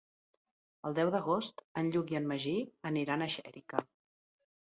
El deu d'agost en Lluc i en Magí aniran a Xèrica.